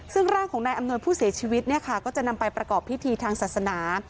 ซึ่งร่างของนายอำนวยผู้เสียชีวิตเนี่ยค่ะก็จะนำไปประกอบพิธีทางศาสนา